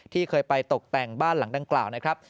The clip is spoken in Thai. ที่เคยไปตกแต่งบ้านหลังดังกล่าวนะครับ